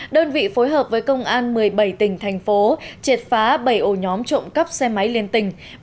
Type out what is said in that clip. đơn vị phối hợp với công an một mươi bảy tỉnh thành phố triệt phá bảy ổ nhóm trộm cắp xe máy liên tình